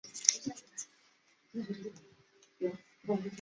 母亲是林贤妃。